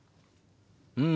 うん。